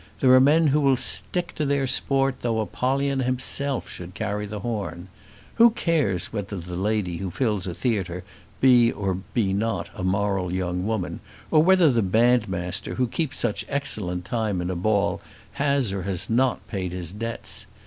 There are men who will stick to their sport though Apollyon himself should carry the horn. Who cares whether the lady who fills a theatre be or be not a moral young woman, or whether the bandmaster who keeps such excellent time in a ball has or has not paid his debts?